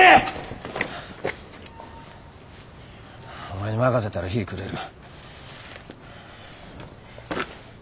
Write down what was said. お前に任せたら日ぃ暮れる。